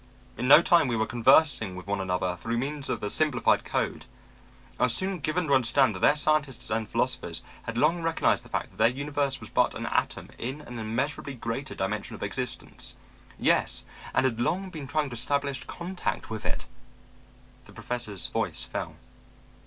"In no time we were conversing with one another through means of a simplified code. I was soon given to understand that their scientists and philosophers had long recognized the fact that their universe was but an atom in an immeasurably greater dimension of existence; yes, and had long been trying to establish contact with it.' The Professor's voice fell.